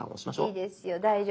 いいですよ大丈夫。